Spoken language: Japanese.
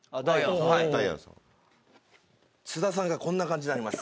津田さんがこんな感じになります。